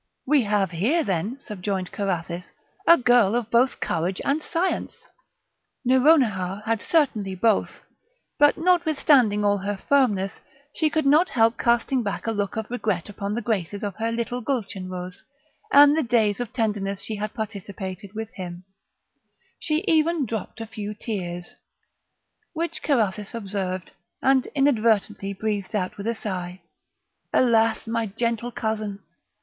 "We have here then," subjoined Carathis, "a girl both of courage and science!" Nouronihar had certainly both; but, notwithstanding all her firmness, she could not help casting back a look of regret upon the graces of her little Gulchenrouz, and the days of tenderness she had participated with him; she even dropped a few tears, which Carathis observed, and inadvertently breathed out with a sigh: "Alas! my gentle cousin!